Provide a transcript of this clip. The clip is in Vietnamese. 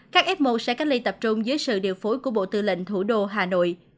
các f một sẽ cách ly tập trung dưới sự điều phối của bộ tư lệnh thủ đô hà nội